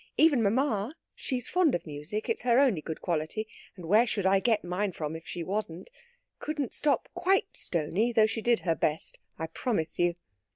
Even mamma (she's fond of music it's her only good quality and where should I get mine from if she wasn't?) couldn't stop quite stony, though she did her best, I promise you.